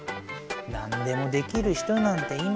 なんでもできる人なんていま。